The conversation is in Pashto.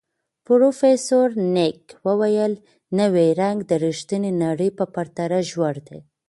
پروفیسر نګ وویل، نوی رنګ د ریښتیني نړۍ په پرتله ژور دی.